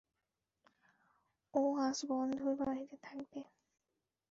ও আজ বন্ধুর বাড়িতে থাকবে।